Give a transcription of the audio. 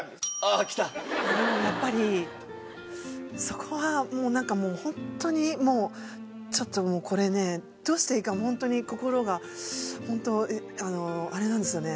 あのやっぱりそこはなんかもうホントにちょっともうこれねどうしていいかホントに心がホントあれなんですよね。